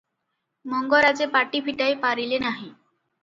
ମଙ୍ଗରାଜେ ପାଟି ଫିଟାଇ ପାରିଲେ ନାହିଁ ।